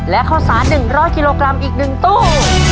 และข้าวสาร๑๐๐กิโลกรัมอีก๑ตู้